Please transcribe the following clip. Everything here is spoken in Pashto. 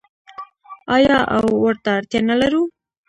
آیا او ورته اړتیا نلرو؟